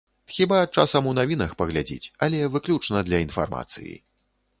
Хіба, часам у навінах паглядзіць, але выключна для інфармацыі.